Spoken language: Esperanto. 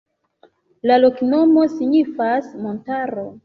La loknomo signifas: montaro.